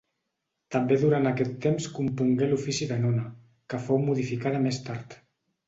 També durant aquest temps compongué l'ofici de Nona, que fou modificada més tard.